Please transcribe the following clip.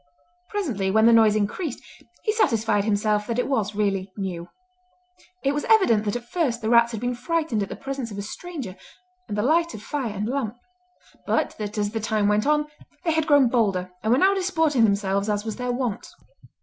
Presently, when the noise increased, he satisfied himself that it was really new. It was evident that at first the rats had been frightened at the presence of a stranger, and the light of fire and lamp; but that as the time went on they had grown bolder and were now disporting themselves as was their wont.